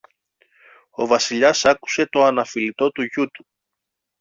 ο Βασιλιάς άκουσε το αναφιλητό του γιου του.